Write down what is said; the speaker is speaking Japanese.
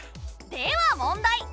では問題！